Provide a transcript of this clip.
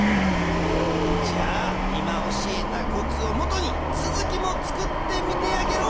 じゃあ今教えたコツをもとにつづきもつくってみてやゲロ。